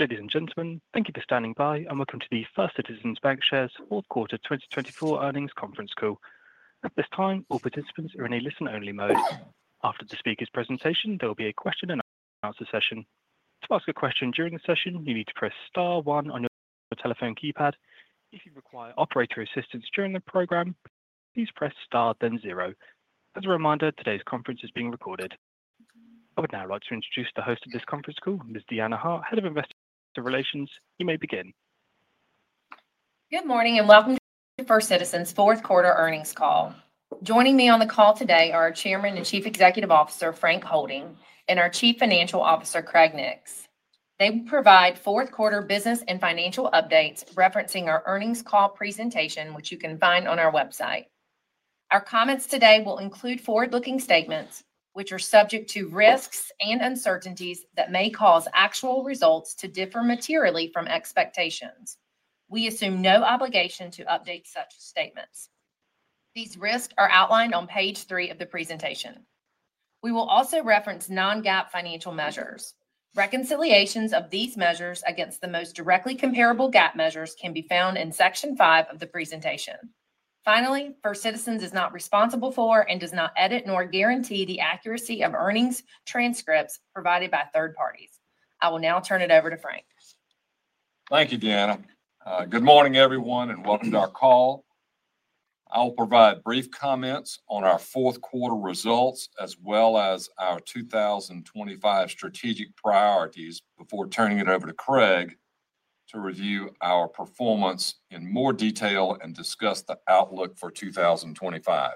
Ladies and gentlemen, thank you for standing by and welcome to the First Citizens BancShares Fourth Quarter 2024 earnings conference call. At this time, all participants are in a listen-only mode. After the speaker's presentation, there will be a question and answer session. To ask a question during the session, you need to press star one on your telephone keypad. If you require operator assistance during the program, please press star, then zero. As a reminder, today's conference is being recorded. I would now like to introduce the host of this conference call, Ms. Deanna Hart, Head of Investor Relations. You may begin. Good morning and welcome to First Citizens Fourth Quarter earnings call. Joining me on the call today are our Chairman and Chief Executive Officer, Frank Holding, and our Chief Financial Officer, Craig Nix. They will provide fourth quarter business and financial updates referencing our earnings call presentation, which you can find on our website. Our comments today will include forward-looking statements, which are subject to risks and uncertainties that may cause actual results to differ materially from expectations. We assume no obligation to update such statements. These risks are outlined on page three of the presentation. We will also reference non-GAAP financial measures. Reconciliations of these measures against the most directly comparable GAAP measures can be found in section five of the presentation. Finally, First Citizens is not responsible for and does not edit nor guarantee the accuracy of earnings transcripts provided by third parties. I will now turn it over to Frank. Thank you, Deanna. Good morning, everyone, and welcome to our call. I'll provide brief comments on our fourth quarter results as well as our 2025 strategic priorities before turning it over to Craig to review our performance in more detail and discuss the outlook for 2025.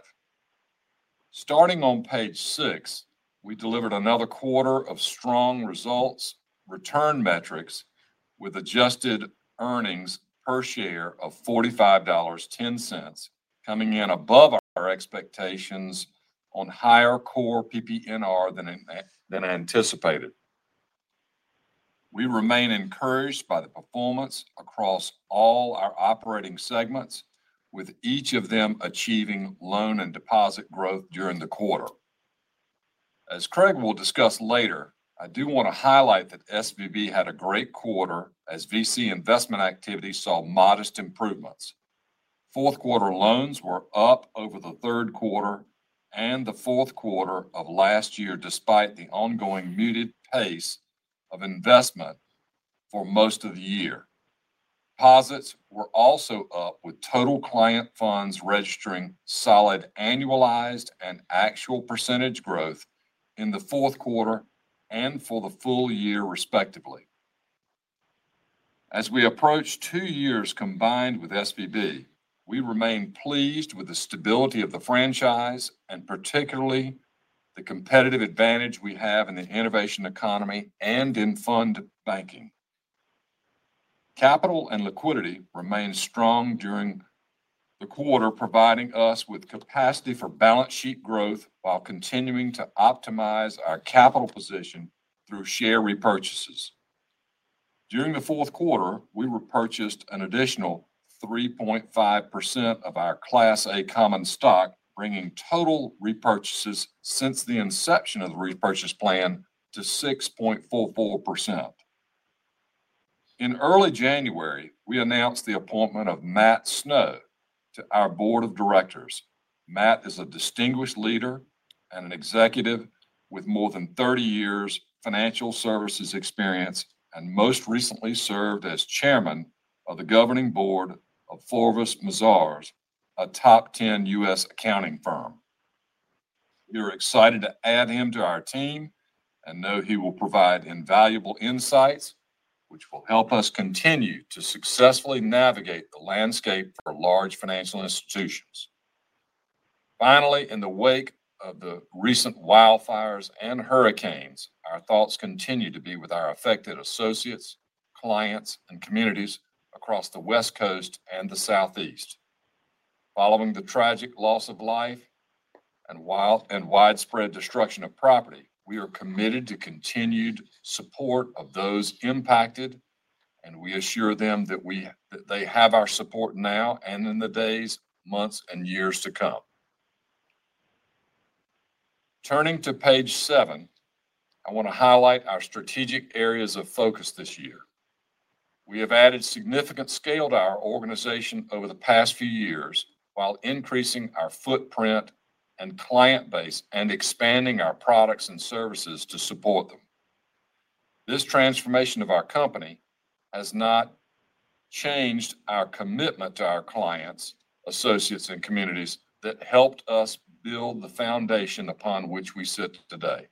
Starting on page six, we delivered another quarter of strong results, return metrics, with adjusted earnings per share of $45.10, coming in above our expectations on higher core PPNR than anticipated. We remain encouraged by the performance across all our operating segments, with each of them achieving loan and deposit growth during the quarter. As Craig will discuss later, I do want to highlight that SVB had a great quarter as VC investment activity saw modest improvements. Fourth quarter loans were up over the third quarter and the fourth quarter of last year, despite the ongoing muted pace of investment for most of the year. Deposits were also up, with total client funds registering solid annualized and actual percentage growth in the fourth quarter and for the full year, respectively. As we approach two years combined with SVB, we remain pleased with the stability of the franchise and particularly the competitive advantage we have in the innovation economy and in fund banking. Capital and liquidity remained strong during the quarter, providing us with capacity for balance sheet growth while continuing to optimize our capital position through share repurchases. During the fourth quarter, we repurchased an additional 3.5% of our Class A common stock, bringing total repurchases since the inception of the repurchase plan to 6.44%. In early January, we announced the appointment of Matt Snow to our Board of Directors. Matt is a distinguished leader and an executive with more than 30 years of financial services experience and most recently served as chairman of the governing board of Forvis Mazars, a top 10 U.S. accounting firm. We are excited to add him to our team and know he will provide invaluable insights, which will help us continue to successfully navigate the landscape for large financial institutions. Finally, in the wake of the recent wildfires and hurricanes, our thoughts continue to be with our affected associates, clients, and communities across the West Coast and the Southeast. Following the tragic loss of life and widespread destruction of property, we are committed to continued support of those impacted, and we assure them that they have our support now and in the days, months, and years to come. Turning to page seven, I want to highlight our strategic areas of focus this year. We have added significant scale to our organization over the past few years while increasing our footprint and client base and expanding our products and services to support them. This transformation of our company has not changed our commitment to our clients, associates, and communities that helped us build the foundation upon which we sit today.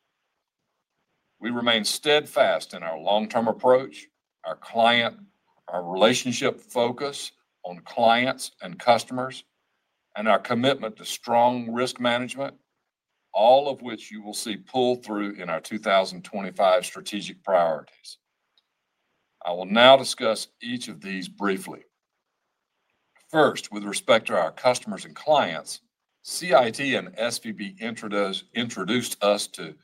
We remain steadfast in our long-term approach, our client-relationship focus on clients and customers, and our commitment to strong risk management, all of which you will see pull through in our 2025 strategic priorities. I will now discuss each of these briefly. First, with respect to our customers and clients, CIT and SVB introduced us to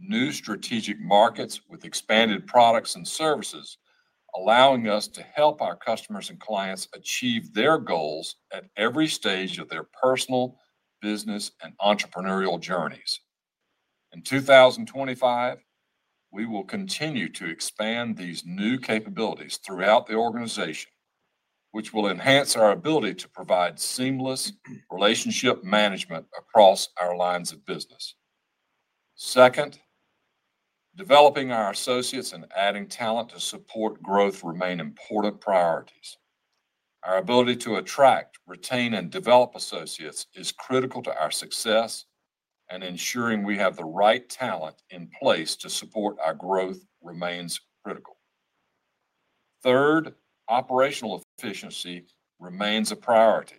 new strategic markets with expanded products and services, allowing us to help our customers and clients achieve their goals at every stage of their personal, business, and entrepreneurial journeys. In 2025, we will continue to expand these new capabilities throughout the organization, which will enhance our ability to provide seamless relationship management across our lines of business. Second, developing our associates and adding talent to support growth remain important priorities. Our ability to attract, retain, and develop associates is critical to our success, and ensuring we have the right talent in place to support our growth remains critical. Third, operational efficiency remains a priority.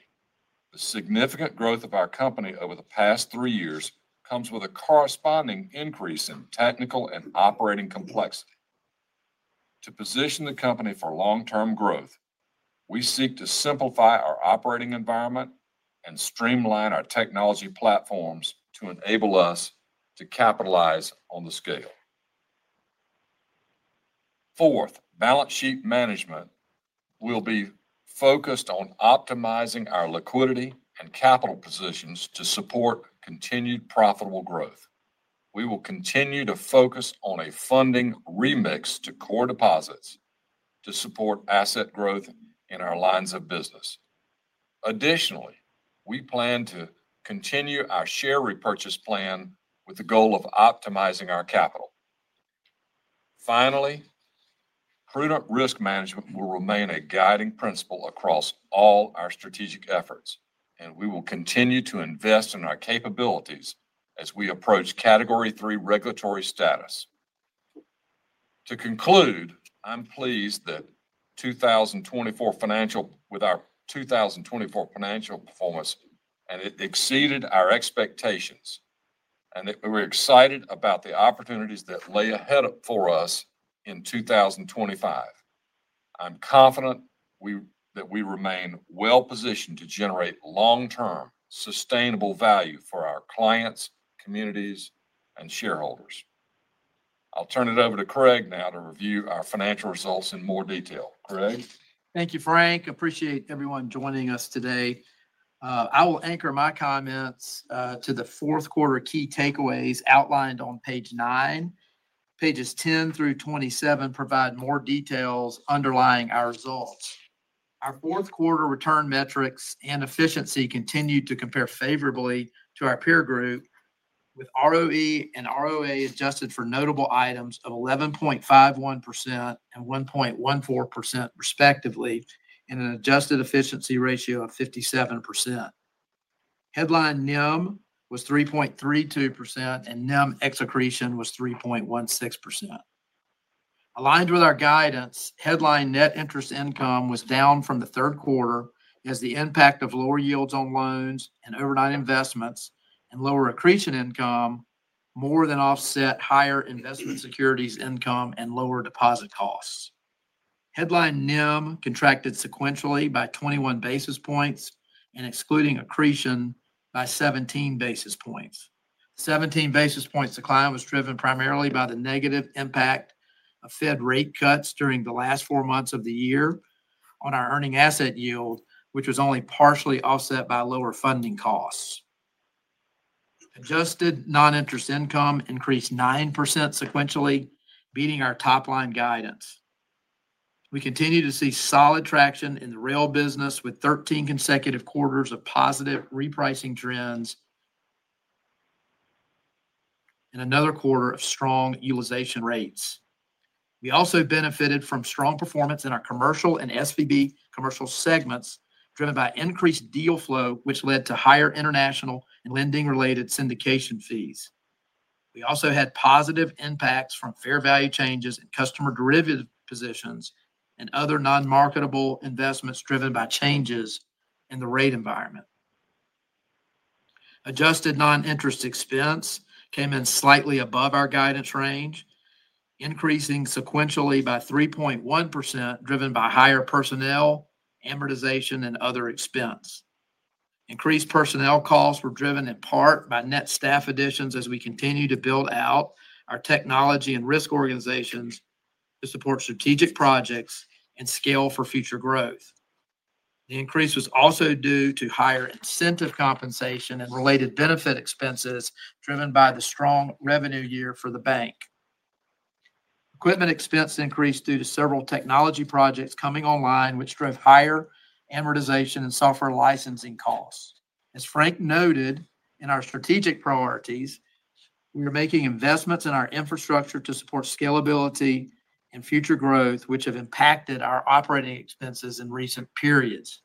The significant growth of our company over the past three years comes with a corresponding increase in technical and operating complexity. To position the company for long-term growth, we seek to simplify our operating environment and streamline our technology platforms to enable us to capitalize on the scale. Fourth, balance sheet management will be focused on optimizing our liquidity and capital positions to support continued profitable growth. We will continue to focus on a funding remix to core deposits to support asset growth in our lines of business. Additionally, we plan to continue our share repurchase plan with the goal of optimizing our capital. Finally, prudent risk management will remain a guiding principle across all our strategic efforts, and we will continue to invest in our capabilities as we approach Category III regulatory status. To conclude, I'm pleased that our 2024 financial performance exceeded our expectations and that we're excited about the opportunities that lay ahead for us in 2025. I'm confident that we remain well-positioned to generate long-term sustainable value for our clients, communities, and shareholders. I'll turn it over to Craig now to review our financial results in more detail. Craig. Thank you, Frank. I appreciate everyone joining us today. I will anchor my comments to the fourth quarter key takeaways outlined on page nine. Pages 10 through 27 provide more details underlying our results. Our fourth quarter return metrics and efficiency continue to compare favorably to our peer group, with ROE and ROA adjusted for notable items of 11.51% and 1.14%, respectively, and an adjusted efficiency ratio of 57%. Headline NIM was 3.32%, and NIM ex-accretion was 3.16%. Aligned with our guidance, headline net interest income was down from the third quarter as the impact of lower yields on loans and overnight investments and lower accretion income more than offset higher investment securities income and lower deposit costs. Headline NIM contracted sequentially by 21 basis points and excluding accretion by 17 basis points. 17 basis points decline was driven primarily by the negative impact of Fed rate cuts during the last four months of the year on our earning asset yield, which was only partially offset by lower funding costs. Adjusted non-interest income increased 9% sequentially, beating our top-line guidance. We continue to see solid traction in the Rail business with 13 consecutive quarters of positive repricing trends and another quarter of strong utilization rates. We also benefited from strong performance in our commercial and SVB Commercial segments driven by increased deal flow, which led to higher international and lending-related syndication fees. We also had positive impacts from fair value changes in customer derivative positions and other non-marketable investments driven by changes in the rate environment. Adjusted non-interest expense came in slightly above our guidance range, increasing sequentially by 3.1%, driven by higher personnel, amortization, and other expense. Increased personnel costs were driven in part by net staff additions as we continue to build out our technology and risk organizations to support strategic projects and scale for future growth. The increase was also due to higher incentive compensation and related benefit expenses driven by the strong revenue year for the bank. Equipment expense increased due to several technology projects coming online, which drove higher amortization and software licensing costs. As Frank noted in our strategic priorities, we are making investments in our infrastructure to support scalability and future growth, which have impacted our operating expenses in recent periods.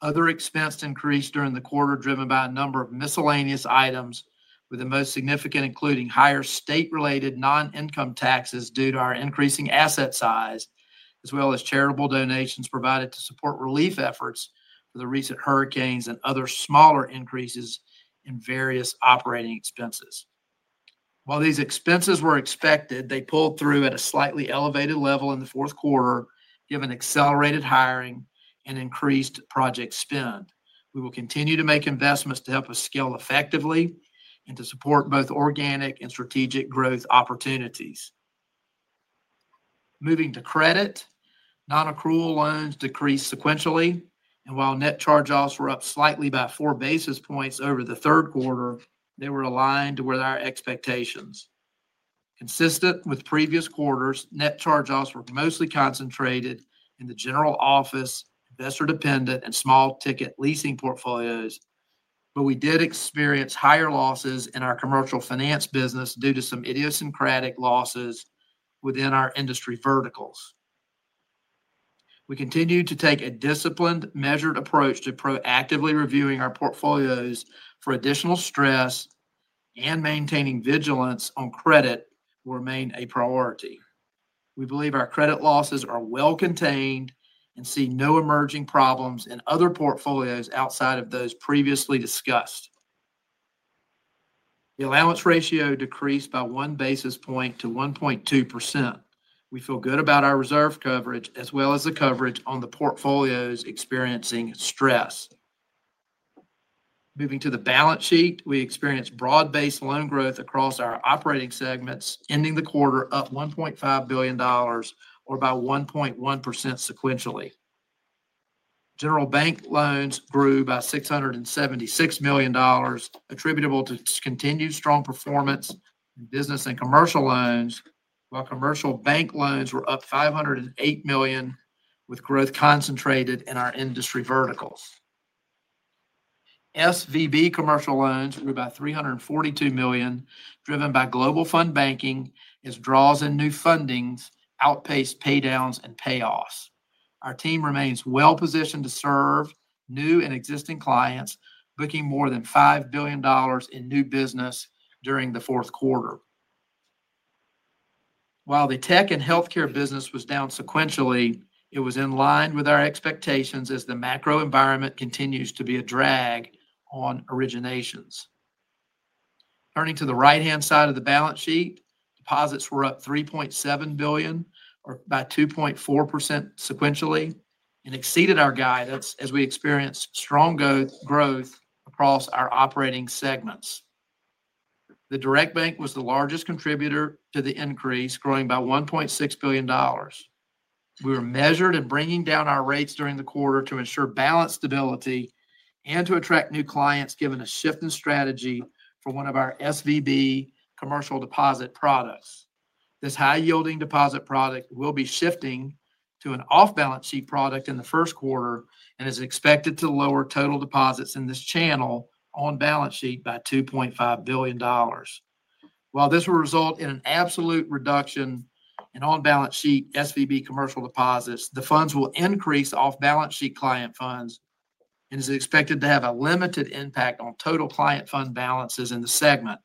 Other expense increased during the quarter driven by a number of miscellaneous items, with the most significant including higher state-related non-income taxes due to our increasing asset size, as well as charitable donations provided to support relief efforts for the recent hurricanes and other smaller increases in various operating expenses. While these expenses were expected, they pulled through at a slightly elevated level in the fourth quarter, given accelerated hiring and increased project spend. We will continue to make investments to help us scale effectively and to support both organic and strategic growth opportunities. Moving to credit, non-accrual loans decreased sequentially, and while net charge-offs were up slightly by four basis points over the third quarter, they were aligned to our expectations. Consistent with previous quarters, net charge-offs were mostly concentrated in the general office, investor-dependent, and small-ticket leasing portfolios, but we did experience higher losses in our commercial finance business due to some idiosyncratic losses within our industry verticals. We continue to take a disciplined, measured approach to proactively reviewing our portfolios for additional stress and maintaining vigilance on credit will remain a priority. We believe our credit losses are well-contained and see no emerging problems in other portfolios outside of those previously discussed. The allowance ratio decreased by one basis point to 1.2%. We feel good about our reserve coverage as well as the coverage on the portfolios experiencing stress. Moving to the balance sheet, we experienced broad-based loan growth across our operating segments, ending the quarter up $1.5 billion or by 1.1% sequentially. General Bank loans grew by $676 million, attributable to continued strong performance in business and commercial loans, while Commercial Bank loans were up $508 million, with growth concentrated in our industry verticals. SVB Commercial loans grew by $342 million, driven by Global Fund Banking as draws in new fundings outpaced paydowns and payoffs. Our team remains well-positioned to serve new and existing clients, booking more than $5 billion in new business during the fourth quarter. While the Tech and Healthcare business was down sequentially, it was in line with our expectations as the macro environment continues to be a drag on originations. Turning to the right-hand side of the balance sheet, deposits were up $3.7 billion or by 2.4% sequentially and exceeded our guidance as we experienced strong growth across our operating segments. The Direct Bank was the largest contributor to the increase, growing by $1.6 billion. We were measured in bringing down our rates during the quarter to ensure balance stability and to attract new clients, given a shift in strategy for one of our SVB Commercial deposit products. This high-yielding deposit product will be shifting to an off-balance sheet product in the first quarter and is expected to lower total deposits in this channel on balance sheet by $2.5 billion. While this will result in an absolute reduction in on-balance sheet SVB Commercial deposits, the funds will increase off-balance sheet client funds and is expected to have a limited impact on total client fund balances in the segment.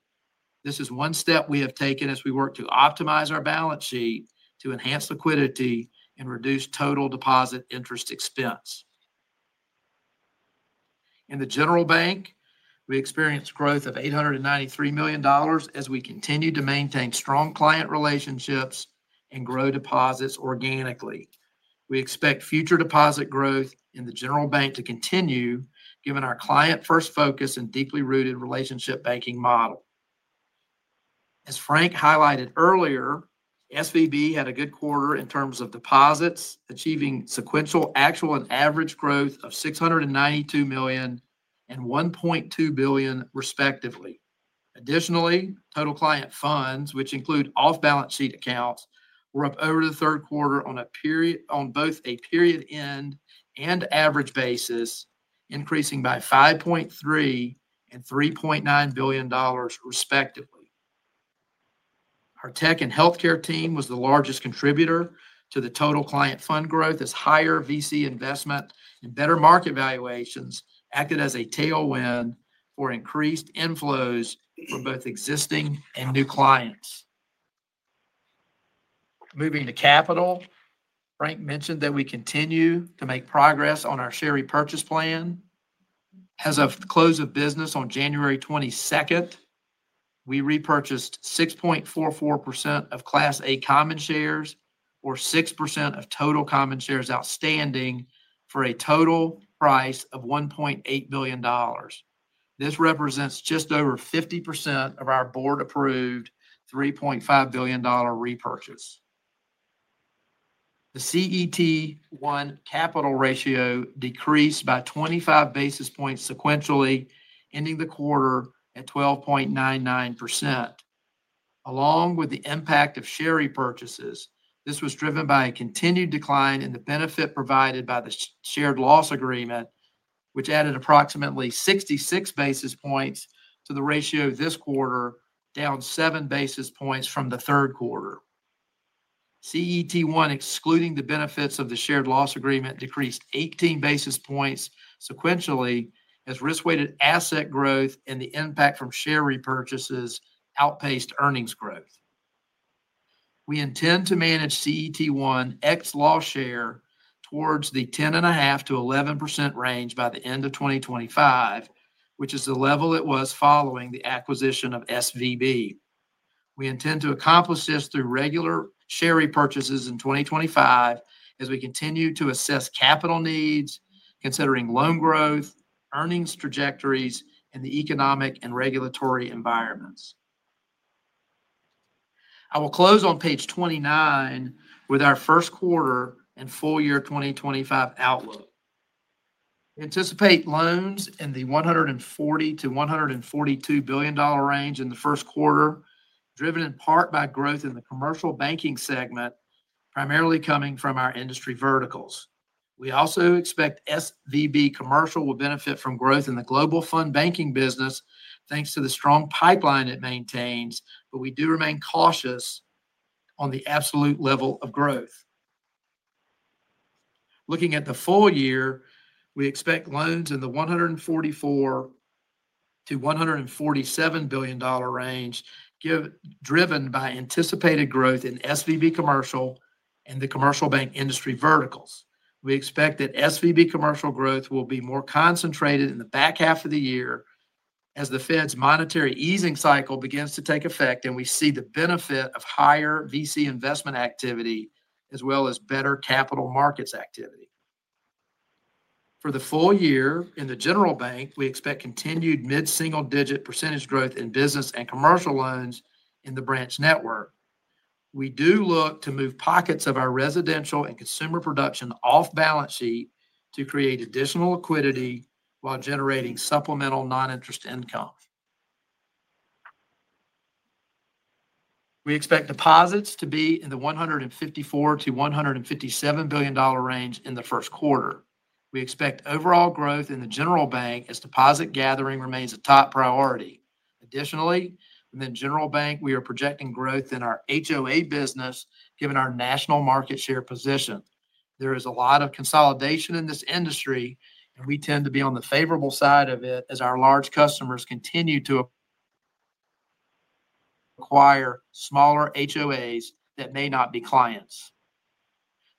This is one step we have taken as we work to optimize our balance sheet to enhance liquidity and reduce total deposit interest expense. In the General Bank, we experienced growth of $893 million as we continue to maintain strong client relationships and grow deposits organically. We expect future deposit growth in the General Bank to continue, given our client-first focus and deeply rooted relationship banking model. As Frank highlighted earlier, SVB had a good quarter in terms of deposits, achieving sequential actual and average growth of $692 million and $1.2 billion, respectively. Additionally, total client funds, which include off-balance sheet accounts, were up over the third quarter on both a period-end and average basis, increasing by $5.3 and $3.9 billion, respectively. Our Tech and Healthcare team was the largest contributor to the total client fund growth as higher VC investment and better market valuations acted as a tailwind for increased inflows for both existing and new clients. Moving to capital, Frank mentioned that we continue to make progress on our share repurchase plan. As of close of business on January 22nd, we repurchased 6.44% of Class A common shares or 6% of total common shares outstanding for a total price of $1.8 billion. This represents just over 50% of our board-approved $3.5 billion repurchase. The CET1 capital ratio decreased by 25 basis points sequentially, ending the quarter at 12.99%. Along with the impact of share repurchases, this was driven by a continued decline in the benefit provided by the shared loss agreement, which added approximately 66 basis points to the ratio this quarter, down 7 basis points from the third quarter. CET1, excluding the benefits of the shared loss agreement, decreased 18 basis points sequentially as risk-weighted asset growth and the impact from share repurchases outpaced earnings growth. We intend to manage CET1 ex-loss share towards the 10.5%-11% range by the end of 2025, which is the level it was following the acquisition of SVB. We intend to accomplish this through regular share repurchases in 2025 as we continue to assess capital needs, considering loan growth, earnings trajectories, and the economic and regulatory environments. I will close on page 29 with our first quarter and full year 2025 outlook. We anticipate loans in the $140-$142 billion range in the first quarter, driven in part by growth in the commercial banking segment, primarily coming from our industry verticals. We also expect SVB Commercial will benefit from growth in the Global Fund Banking business thanks to the strong pipeline it maintains, but we do remain cautious on the absolute level of growth. Looking at the full year, we expect loans in the $144-$147 billion range, driven by anticipated growth in SVB Commercial and the Commercial Bank industry verticals. We expect that SVB Commercial growth will be more concentrated in the back half of the year as the Fed's monetary easing cycle begins to take effect, and we see the benefit of higher VC investment activity as well as better capital markets activity. For the full year in the General Bank, we expect continued mid-single-digit percentage growth in business and commercial loans in the branch network. We do look to move pockets of our residential and consumer production off-balance sheet to create additional liquidity while generating supplemental non-interest income. We expect deposits to be in the $154-$157 billion range in the first quarter. We expect overall growth in the General Bank as deposit gathering remains a top priority. Additionally, in the General Bank, we are projecting growth in our HOA business, given our national market share position. There is a lot of consolidation in this industry, and we tend to be on the favorable side of it as our large customers continue to acquire smaller HOAs that may not be clients.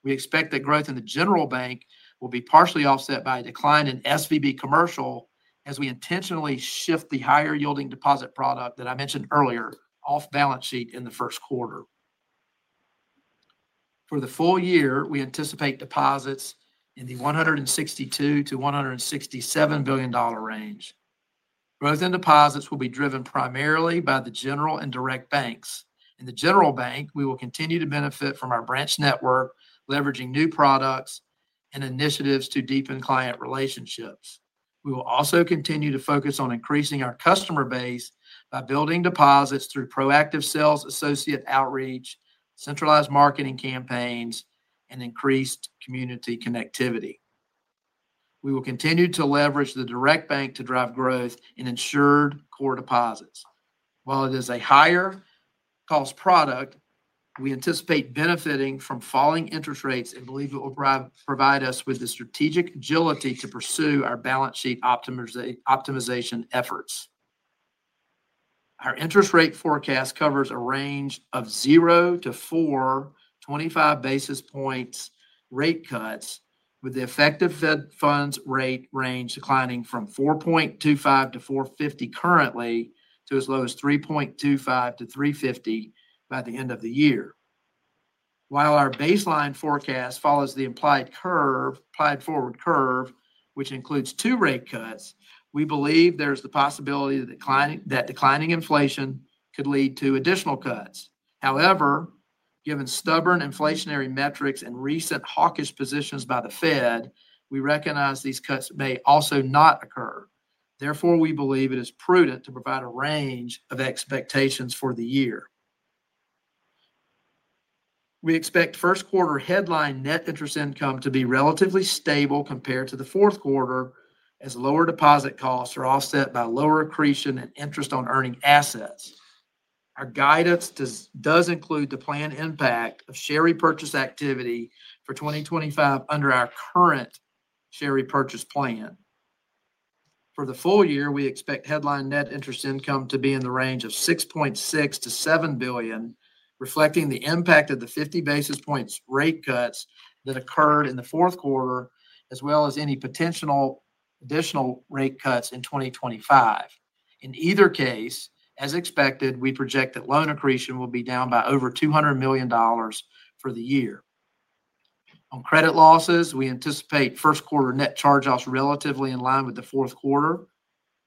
We expect that growth in the General Bank will be partially offset by a decline in SVB Commercial as we intentionally shift the higher-yielding deposit product that I mentioned earlier off-balance sheet in the first quarter. For the full year, we anticipate deposits in the $162-$167 billion range. Growth in deposits will be driven primarily by the General Bank and Direct Bank. In the General Bank, we will continue to benefit from our branch network, leveraging new products and initiatives to deepen client relationships. We will also continue to focus on increasing our customer base by building deposits through proactive sales associate outreach, centralized marketing campaigns, and increased community connectivity. We will continue to leverage the Direct Bank to drive growth in insured core deposits. While it is a higher-cost product, we anticipate benefiting from falling interest rates and believe it will provide us with the strategic agility to pursue our balance sheet optimization efforts. Our interest rate forecast covers a range of 0 to 425 basis points rate cuts, with the effective federal funds rate range declining from 4.25%-4.50% currently to as low as 3.25%-3.50% by the end of the year. While our baseline forecast follows the implied forward curve, which includes two rate cuts, we believe there is the possibility that declining inflation could lead to additional cuts. However, given stubborn inflationary metrics and recent hawkish positions by the Fed, we recognize these cuts may also not occur. Therefore, we believe it is prudent to provide a range of expectations for the year. We expect first quarter headline net interest income to be relatively stable compared to the fourth quarter as lower deposit costs are offset by lower accretion and interest on earning assets. Our guidance does include the planned impact of share repurchase activity for 2025 under our current share repurchase plan. For the full year, we expect headline net interest income to be in the range of $6.6-$7 billion, reflecting the impact of the 50 basis points rate cuts that occurred in the fourth quarter, as well as any potential additional rate cuts in 2025. In either case, as expected, we project that loan accretion will be down by over $200 million for the year. On credit losses, we anticipate first quarter net charge-offs relatively in line with the fourth quarter.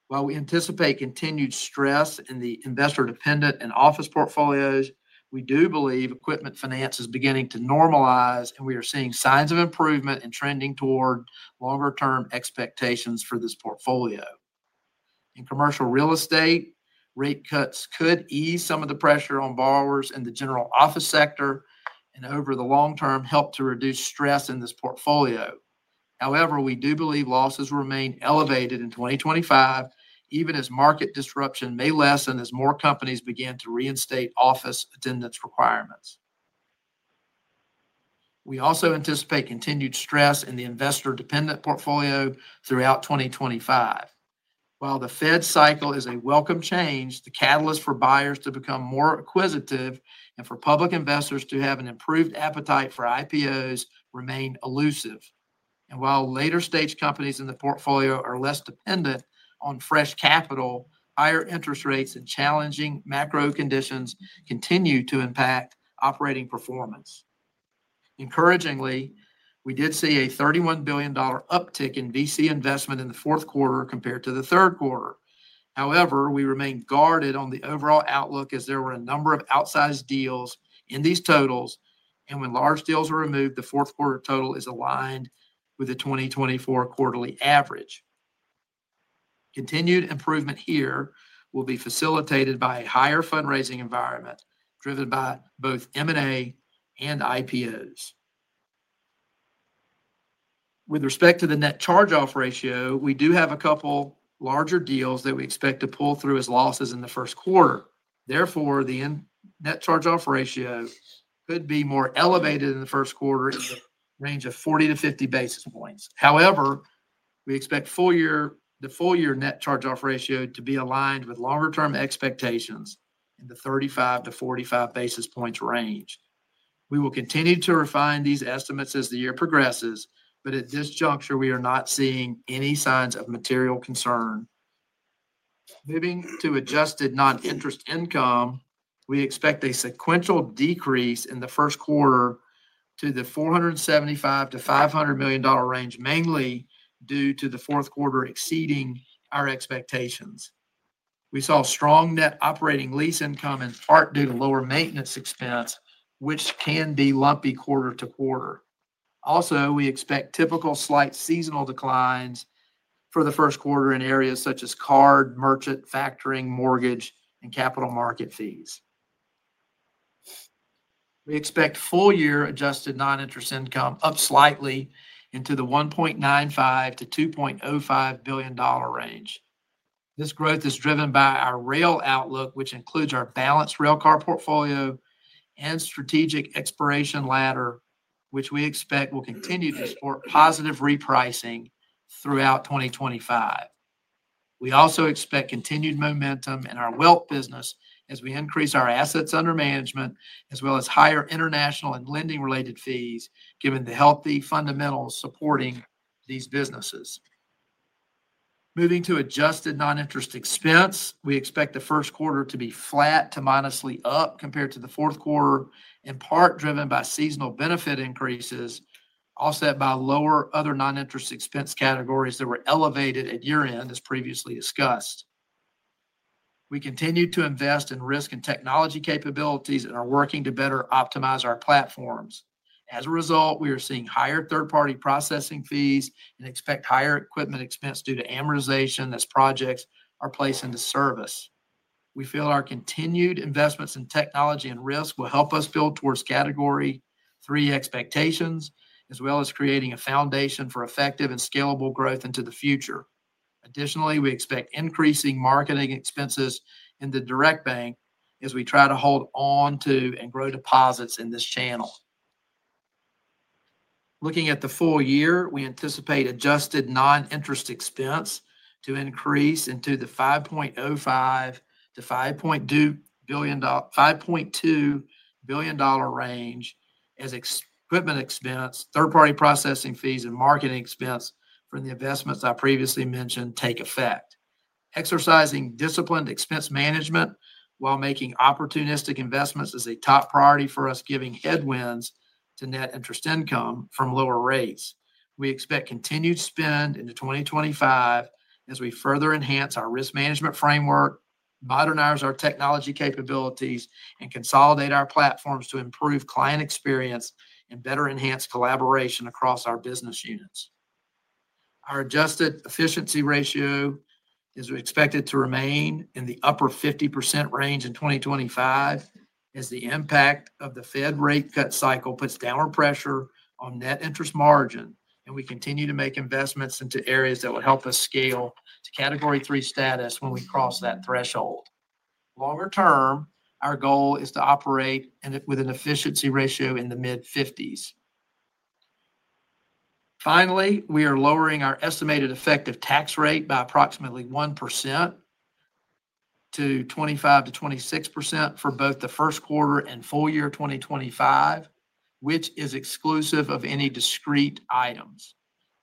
While we anticipate continued stress in the investor-dependent and office portfolios, we do believe equipment finance is beginning to normalize, and we are seeing signs of improvement and trending toward longer-term expectations for this portfolio. In commercial real estate, rate cuts could ease some of the pressure on borrowers in the general office sector and, over the long term, help to reduce stress in this portfolio. However, we do believe losses will remain elevated in 2025, even as market disruption may lessen as more companies begin to reinstate office attendance requirements. We also anticipate continued stress in the investor-dependent portfolio throughout 2025. While the Fed cycle is a welcome change, the catalyst for buyers to become more acquisitive and for public investors to have an improved appetite for IPOs remains elusive. While later-stage companies in the portfolio are less dependent on fresh capital, higher interest rates and challenging macro conditions continue to impact operating performance. Encouragingly, we did see a $31 billion uptick in VC investment in the fourth quarter compared to the third quarter. However, we remain guarded on the overall outlook as there were a number of outsized deals in these totals, and when large deals were removed, the fourth quarter total is aligned with the 2024 quarterly average. Continued improvement here will be facilitated by a higher fundraising environment driven by both M&A and IPOs. With respect to the net charge-off ratio, we do have a couple larger deals that we expect to pull through as losses in the first quarter. Therefore, the net charge-off ratio could be more elevated in the first quarter in the range of 40-50 basis points. However, we expect the full year net charge-off ratio to be aligned with longer-term expectations in the 35-45 basis points range. We will continue to refine these estimates as the year progresses, but at this juncture, we are not seeing any signs of material concern. Moving to adjusted non-interest income, we expect a sequential decrease in the first quarter to the $475-$500 million range, mainly due to the fourth quarter exceeding our expectations. We saw strong net operating lease income in part due to lower maintenance expense, which can be lumpy quarter to quarter. Also, we expect typical slight seasonal declines for the first quarter in areas such as card, merchant, factoring, mortgage, and capital market fees. We expect full year adjusted non-interest income up slightly into the $1.95-$2.05 billion range. This growth is driven by our Rail outlook, which includes our balanced railcar portfolio and strategic expiration ladder, which we expect will continue to support positive repricing throughout 2025. We also expect continued momentum in our Wealth business as we increase our assets under management, as well as higher international and lending-related fees, given the healthy fundamentals supporting these businesses. Moving to adjusted non-interest expense, we expect the first quarter to be flat to modestly up compared to the fourth quarter, in part driven by seasonal benefit increases offset by lower other non-interest expense categories that were elevated at year-end, as previously discussed. We continue to invest in risk and technology capabilities and are working to better optimize our platforms. As a result, we are seeing higher third-party processing fees and expect higher equipment expense due to amortization as projects are placed into service. We feel our continued investments in technology and risk will help us build towards Category III expectations, as well as creating a foundation for effective and scalable growth into the future. Additionally, we expect increasing marketing expenses in the Direct Bank as we try to hold on to and grow deposits in this channel. Looking at the full year, we anticipate adjusted non-interest expense to increase into the $5.05-$5.2 billion range as equipment expense, third-party processing fees, and marketing expense from the investments I previously mentioned take effect. Exercising disciplined expense management while making opportunistic investments is a top priority for us, giving headwinds to net interest income from lower rates. We expect continued spend into 2025 as we further enhance our risk management framework, modernize our technology capabilities, and consolidate our platforms to improve client experience and better enhance collaboration across our business units. Our adjusted efficiency ratio is expected to remain in the upper 50% range in 2025 as the impact of the Fed rate cut cycle puts downward pressure on net interest margin, and we continue to make investments into areas that will help us scale to Category III status when we cross that threshold. Longer term, our goal is to operate with an efficiency ratio in the mid-50s. Finally, we are lowering our estimated effective tax rate by approximately 1% to 25%-26% for both the first quarter and full year 2025, which is exclusive of any discrete items.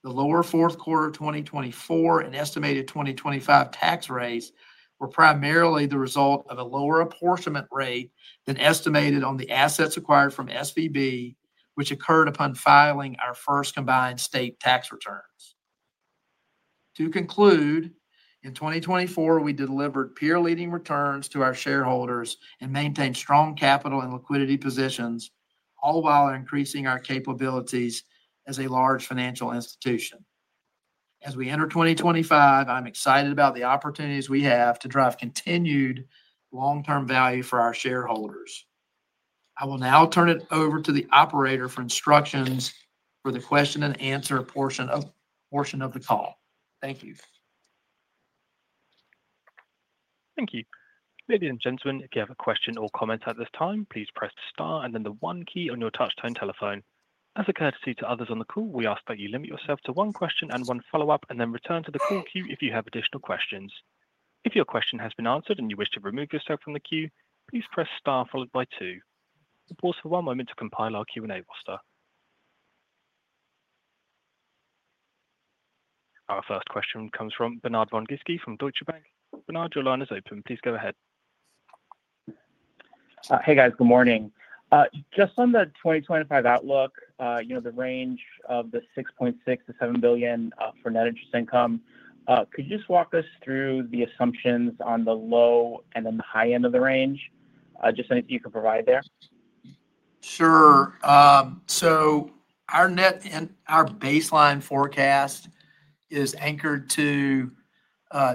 The lower fourth quarter 2024 and estimated 2025 tax rates were primarily the result of a lower apportionment rate than estimated on the assets acquired from SVB, which occurred upon filing our first combined state tax returns. To conclude, in 2024, we delivered peer-leading returns to our shareholders and maintained strong capital and liquidity positions, all while increasing our capabilities as a large financial institution. As we enter 2025, I'm excited about the opportunities we have to drive continued long-term value for our shareholders. I will now turn it over to the operator for instructions for the question-and-answer portion of the call. Thank you. Thank you. Ladies and gentlemen, if you have a question or comment at this time, please press the star and then the one key on your touch-tone telephone. As a courtesy to others on the call, we ask that you limit yourself to one question and one follow-up, and then return to the call queue if you have additional questions. If your question has been answered and you wish to remove yourself from the queue, please press star followed by two. Stand by for one moment to compile our Q&A roster. Our first question comes from Bernard von Gizycki from Deutsche Bank. Bernard, your line is open. Please go ahead. Hey, guys. Good morning. Just on the 2025 outlook, the range of $6.6 billion-$7 billion for net interest income, could you just walk us through the assumptions on the low and then the high end of the range? Just anything you can provide there. Sure. So our baseline forecast is anchored to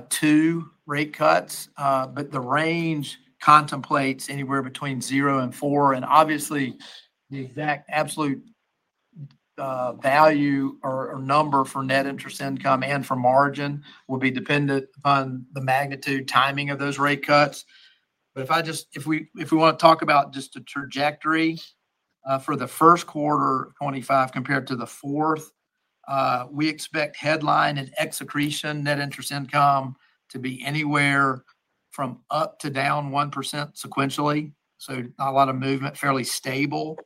two rate cuts, but the range contemplates anywhere between zero and four. And obviously, the exact absolute value or number for net interest income and for margin will be dependent upon the magnitude timing of those rate cuts. But if we want to talk about just the trajectory for the first quarter of 2025 compared to the fourth, we expect headline and accretion net interest income to be anywhere from up to down 1% sequentially. So not a lot of movement, fairly stable.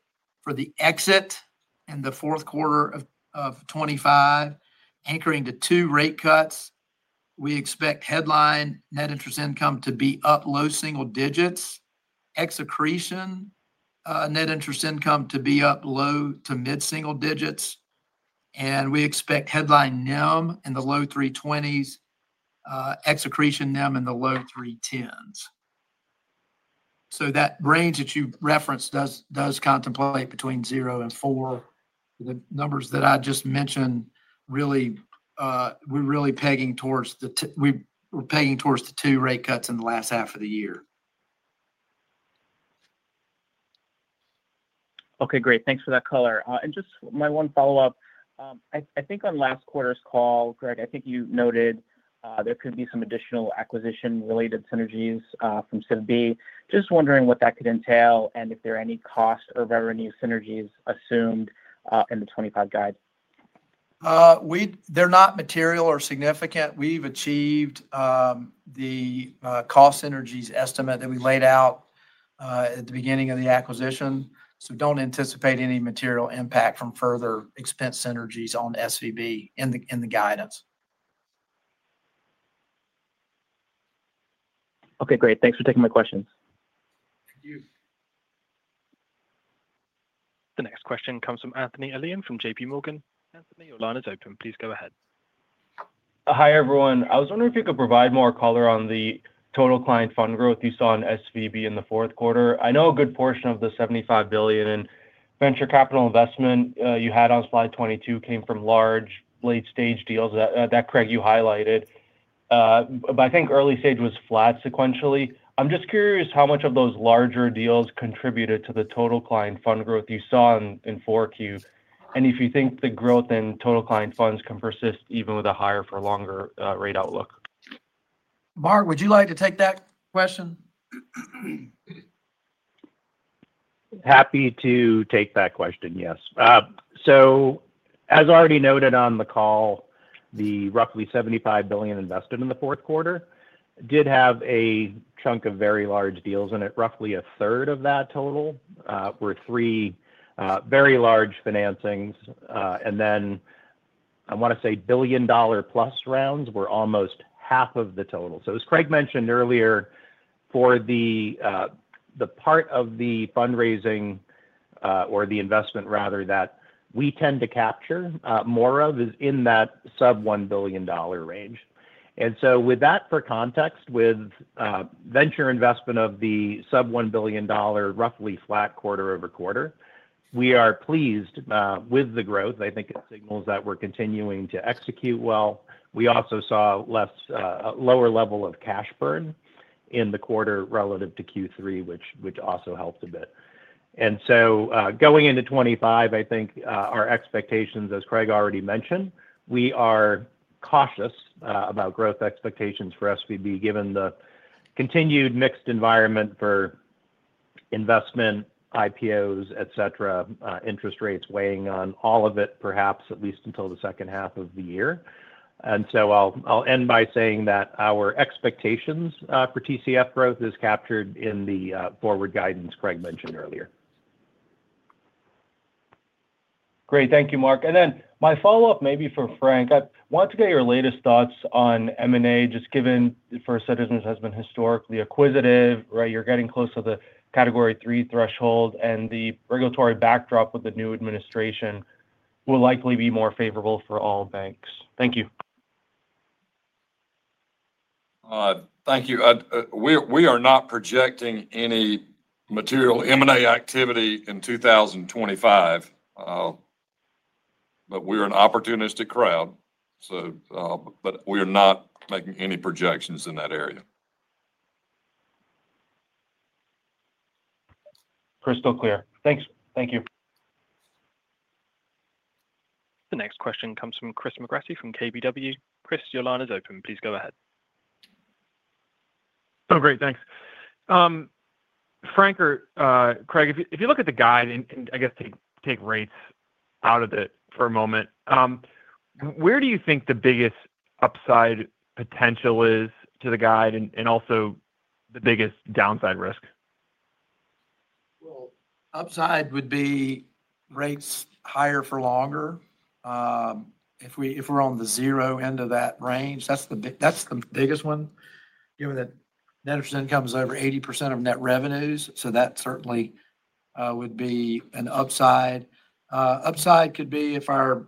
For the exit in the fourth quarter of 2025, anchoring to two rate cuts, we expect headline net interest income to be up low single digits, accretion net interest income to be up low to mid-single digits. And we expect headline NIM in the low 320s, accretion NIM in the low 310s. So that range that you referenced does contemplate between zero and four. The numbers that I just mentioned, we're really pegging towards the two rate cuts in the last half of the year. Okay. Great. Thanks for that color. And just my one follow-up. I think on last quarter's call, Craig, I think you noted there could be some additional acquisition-related synergies from SVB. Just wondering what that could entail and if there are any cost or revenue synergies assumed in the '25 guide. They're not material or significant. We've achieved the cost synergies estimate that we laid out at the beginning of the acquisition. So don't anticipate any material impact from further expense synergies on SVB in the guidance. Okay. Great. Thanks for taking my questions. Thank you. The next question comes from Anthony Elian from J.P. Morgan. Anthony, your line is open. Please go ahead. Hi, everyone. I was wondering if you could provide more color on the total client fund growth you saw in SVB in the fourth quarter. I know a good portion of the $75 billion in venture capital investment you had on slide 22 came from large late-stage deals that Craig you highlighted. But I think early stage was flat sequentially. I'm just curious how much of those larger deals contributed to the total client fund growth you saw in 4Q. And if you think the growth in total client funds can persist even with a higher-for-longer rate outlook. Marc, would you like to take that question? Happy to take that question, yes. So as already noted on the call, the roughly $75 billion invested in the fourth quarter did have a chunk of very large deals in it. Roughly a third of that total were three very large financings. And then I want to say billion-dollar-plus rounds were almost half of the total. So as Craig mentioned earlier, for the part of the fundraising or the investment, rather, that we tend to capture more of is in that sub-$1 billion range. And so with that for context, with venture investment of the sub-$1 billion, roughly flat quarter over quarter, we are pleased with the growth. I think it signals that we're continuing to execute well. We also saw a lower level of cash burn in the quarter relative to Q3, which also helped a bit. And so going into 2025, I think our expectations, as Craig already mentioned, we are cautious about growth expectations for SVB given the continued mixed environment for investment, IPOs, etc., interest rates weighing on all of it, perhaps at least until the second half of the year. And so I'll end by saying that our expectations for TCF growth is captured in the forward guidance Craig mentioned earlier. Great. Thank you, Marc. And then my follow-up maybe for Frank. I want to get your latest thoughts on M&A, just given First Citizens has been historically acquisitive, right? You're getting close to the Category III threshold, and the regulatory backdrop with the new administration will likely be more favorable for all banks. Thank you. Thank you. We are not projecting any material M&A activity in 2025, but we're an opportunistic crowd. But we are not making any projections in that area. Crystal clear. Thanks. Thank you. The next question comes from Chris McGratty from KBW. Chris, your line is open. Please go ahead. Oh, great. Thanks. Frank or Craig, if you look at the guide and I guess take rates out of it for a moment, where do you think the biggest upside potential is to the guide and also the biggest downside risk? Upside would be rates higher for longer. If we're on the zero end of that range, that's the biggest one, given that net interest income is over 80% of net revenues. So that certainly would be an upside. Upside could be if our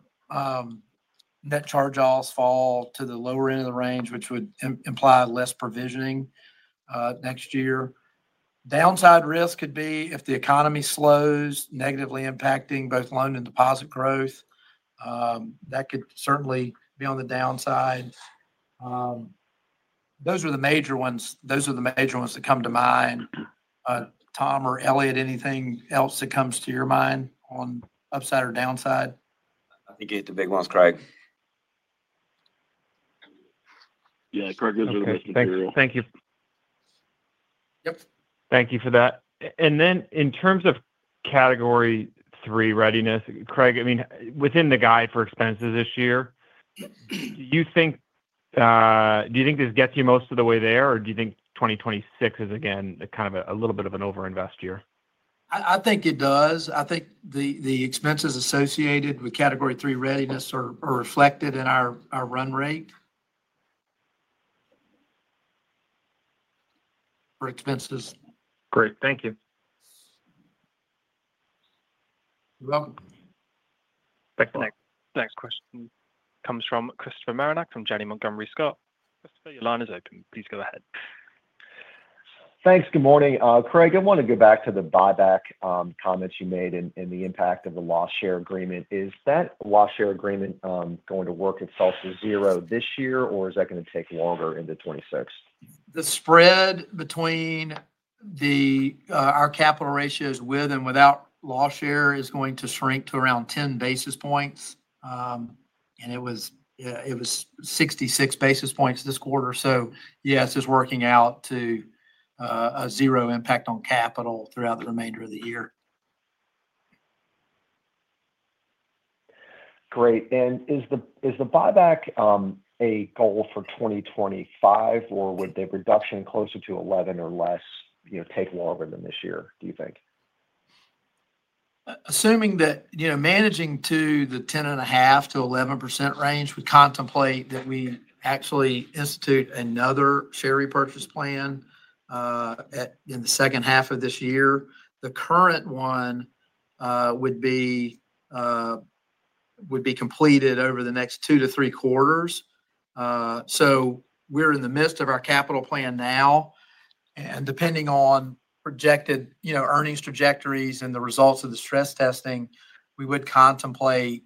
net charge-offs fall to the lower end of the range, which would imply less provisioning next year. Downside risk could be if the economy slows, negatively impacting both loan and deposit growth. That could certainly be on the downside. Those are the major ones. Those are the major ones that come to mind. Tom or Elliot, anything else that comes to your mind on upside or downside? I think you hit the big ones, Craig. Yeah. Craig gives me the best material. Thank you. Yep. Thank you for that. Then in terms of Category III readiness, Craig, I mean, within the guide for expenses this year, do you think this gets you most of the way there, or do you think 2026 is, again, kind of a little bit of an over-invest year? I think it does. I think the expenses associated with Category III readiness are reflected in our run rate for expenses. Great. Thank you. You're welcome. Thanks. The next question comes from Christopher Marinac from Janney Montgomery Scott. Christopher, your line is open. Please go ahead. Thanks. Good morning. Craig, I want to go back to the buyback comments you made and the impact of the shared loss agreement. Is that shared loss agreement going to work at zero this year, or is that going to take longer into 2026? The spread between our capital ratios with and without loss share is going to shrink to around 10 basis points. And it was 66 basis points this quarter. So yes, it's working out to a zero impact on capital throughout the remainder of the year. Great. And is the buyback a goal for 2025, or would the reduction closer to 11 or less take longer than this year, do you think? Assuming that managing to the 10.5%-11% range, we contemplate that we actually institute another share repurchase plan in the second half of this year. The current one would be completed over the next two to three quarters. So we're in the midst of our capital plan now. And depending on projected earnings trajectories and the results of the stress testing, we would contemplate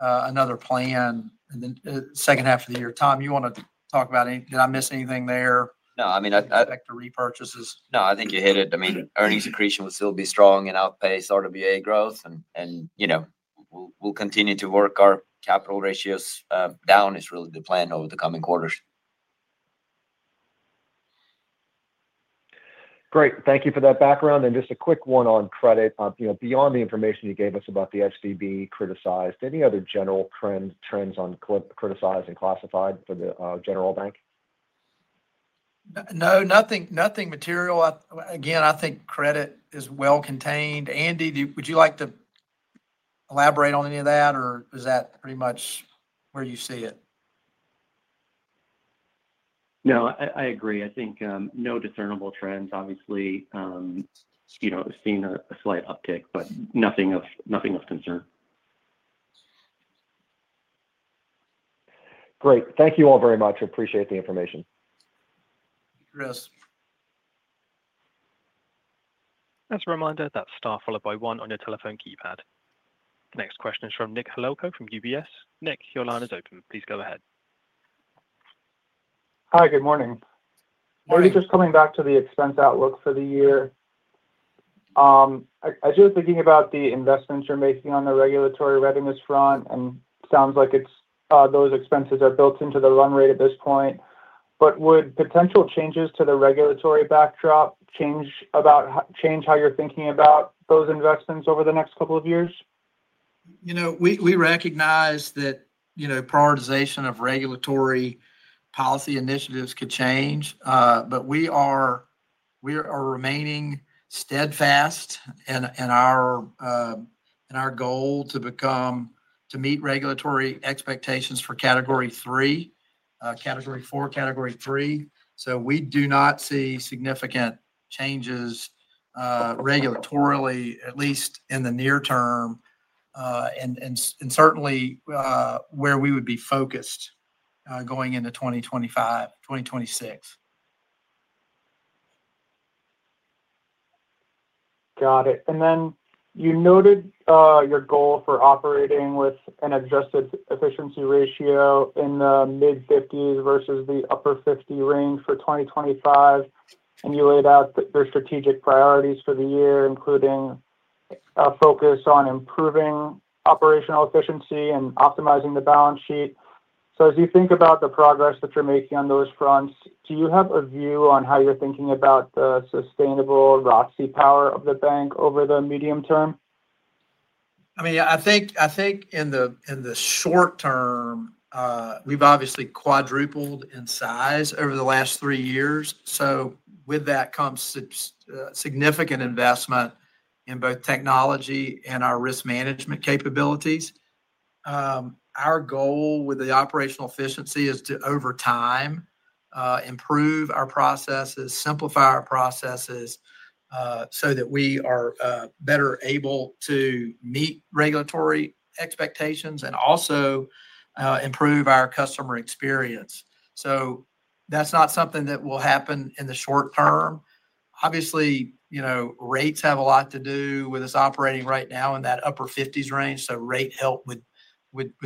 another plan in the second half of the year. Tom, you want to talk about anything? Did I miss anything there? No. I mean, I expect the repurchases. No, I think you hit it. I mean, earnings accretion will still be strong and outpace RWA growth. We'll continue to work our capital ratios down. Is really the plan over the coming quarters. Great. Thank you for that background. Just a quick one on credit. Beyond the information you gave us about the SVB criticized, any other general trends on criticized and classified for the General Bank? No. Nothing material. Again, I think credit is well contained. Andy, would you like to elaborate on any of that, or is that pretty much where you see it? No, I agree. I think no discernible trends. Obviously, seeing a slight uptick, but nothing of concern. Great. Thank you all very much. Appreciate the information. Thank you, Chris. As a reminder. That's star followed by one on your telephone keypad. The next question is from Nicholas Holowko from UBS. Nick, your line is open. Please go ahead. Hi, good morning. We're just coming back to the expense outlook for the year. As you're thinking about the investments you're making on the regulatory readiness front, and it sounds like those expenses are built into the run rate at this point, but would potential changes to the regulatory backdrop change how you're thinking about those investments over the next couple of years? We recognize that prioritization of regulatory policy initiatives could change, but we are remaining steadfast in our goal to meet regulatory expectations for Category III, Category IV, Category III. So we do not see significant changes regulatorily, at least in the near term, and certainly where we would be focused going into 2025, 2026. Got it. Then you noted your goal for operating with an adjusted efficiency ratio in the mid-50s versus the upper 50s range for 2025. You laid out your strategic priorities for the year, including a focus on improving operational efficiency and optimizing the balance sheet. As you think about the progress that you're making on those fronts, do you have a view on how you're thinking about the sustainable earning power of the bank over the medium term? I mean, I think in the short term, we've obviously quadrupled in size over the last three years. With that comes significant investment in both technology and our risk management capabilities. Our goal with the operational efficiency is to, over time, improve our processes, simplify our processes so that we are better able to meet regulatory expectations and also improve our customer experience. So that's not something that will happen in the short term. Obviously, rates have a lot to do with us operating right now in that upper 50s range. So rate help would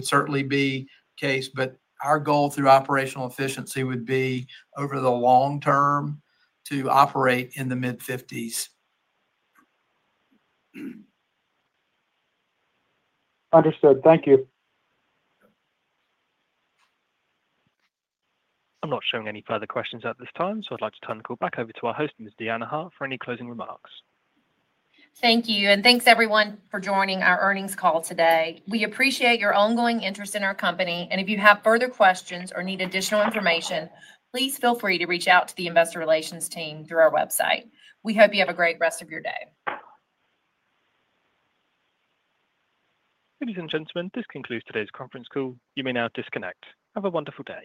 certainly be the case. But our goal through operational efficiency would be, over the long term, to operate in the mid-50s. Understood. Thank you. I'm not showing any further questions at this time, so I'd like to turn the call back over to our host, Ms. Deanna Hart, for any closing remarks. Thank you. And thanks, everyone, for joining our earnings call today. We appreciate your ongoing interest in our company. And if you have further questions or need additional information, please feel free to reach out to the investor relations team through our website. We hope you have a great rest of your day. Ladies and gentlemen, this concludes today's conference call. You may now disconnect. Have a wonderful day.